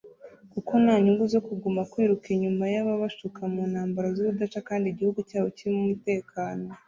kuko nta nyungu zo kuguma kwiruka inyuma y’ababashuka mu intambara z’urudaca kandi igihugu cyabo kirimo umutekano